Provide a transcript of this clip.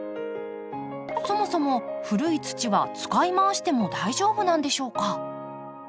そもそも古い土は使いまわしても大丈夫なんでしょうか？